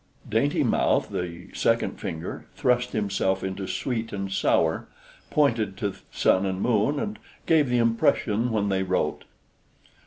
Dainty mouth, the second finger, thrust himself into sweet and sour, pointed to sun and moon, and gave the impression when they wrote.